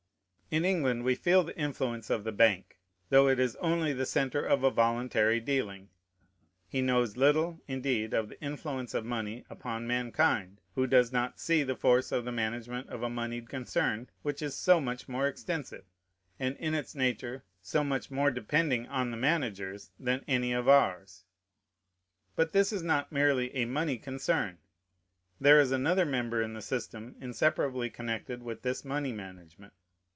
In England we feel the influence of the Bank, though it is only the centre of a voluntary dealing. He knows little, indeed, of the influence of money upon mankind, who does not see the force of the management of a moneyed concern which is so much more extensive, and in its nature so much more depending on the managers, than any of ours. But this is not merely a money concern. There is another member in the system inseparably connected with this money management.